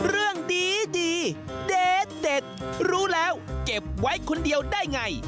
เรื่องดีเด็ดรู้แล้วเก็บไว้คนเดียวได้ไง